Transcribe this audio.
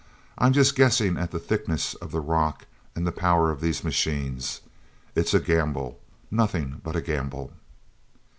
"I'm just guessing at the thickness of the rock and the power of these machines. It's a gamble, nothing but a gamble."